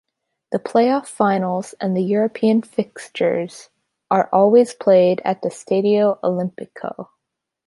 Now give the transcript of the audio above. The play-off finals and the European fixtures are always played in the Stadio Olimpico.